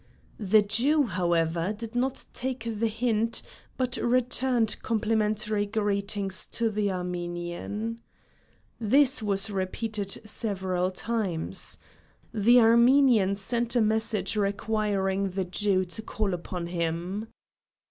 The Jew, however, did not take the hint but returned complimentary greetings to the Armenian. This was repeated several times. Finally, the Armenian sent a message requesting the Jew to call upon him.